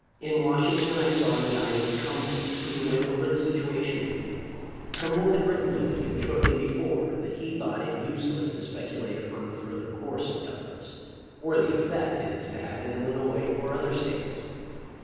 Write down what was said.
In Washington I saw and dined with Trumbull, who went over the situation with me. Trumbull had written to Lincoln shortly before* that he thought it "useless to speculate upon the further course of Douglas or the effect it is to have in Illinois or other States.